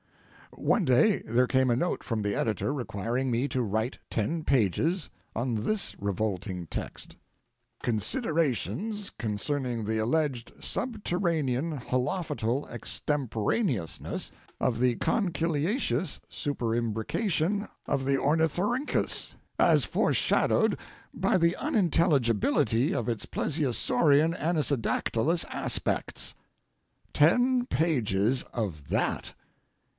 One day there came a note from the editor requiring me to write ten pages—on this revolting text: "Considerations concerning the alleged subterranean holophotal extemporaneousness of the conchyliaceous superimbrication of the Ornithorhyncus, as foreshadowed by the unintelligibility of its plesiosaurian anisodactylous aspects." Ten pages of that.